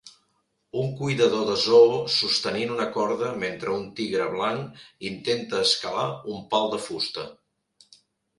Un cuidador de zoo sostenint una corda mentre un tigre blanc intenta escalar un pal de fusta.